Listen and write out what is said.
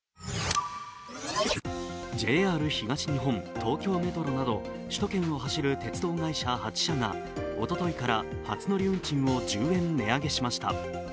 ＪＲ東日本、東京メトロなど首都圏を走る鉄道会社８社がおとといから初乗り運賃を１０円値上げしました。